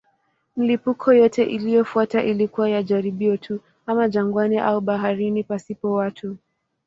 Milipuko yote iliyofuata ilikuwa ya jaribio tu, ama jangwani au baharini pasipo watu.